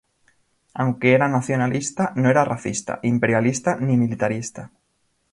Aunque era nacionalista, no era racista, imperialista ni militarista.